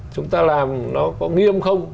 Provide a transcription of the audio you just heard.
chúng ta làm nó có nghiêm không